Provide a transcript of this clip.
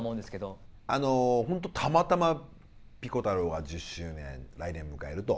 本当たまたまピコ太郎が１０周年来年迎えると。